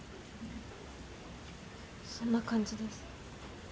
そんな感じです。